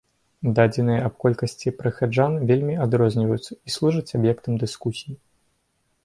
Дадзеныя аб колькасці прыхаджан вельмі адрозніваюцца і служаць аб'ектам дыскусій.